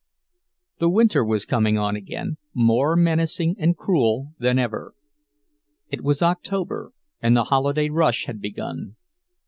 The winter was coming on again, more menacing and cruel than ever. It was October, and the holiday rush had begun.